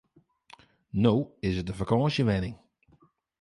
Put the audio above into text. No is it in fakânsjewenning.